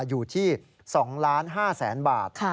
อยู่ที่๒๕๐๐๐๐บาท